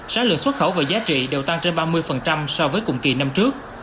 sáng lượng xuất khẩu và giá trị đều tăng trên ba mươi so với cùng kỳ năm trước